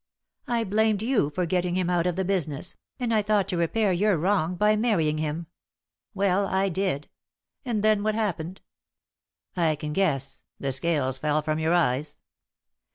I blamed you for getting him out of the business, and I thought to repair your wrong by marrying him. Well, I did; and then what happened?" "I can guess. The scales fell from your eyes."